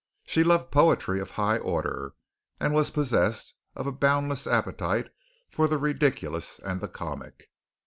She loved poetry of high order, and was possessed of a boundless appetite for the ridiculous and the comic.